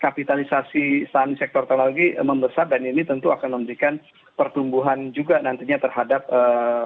kapitalisasi saham sektor teknologi membesar dan ini tentu akan memberikan pertumbuhan juga nantinya terhadap ee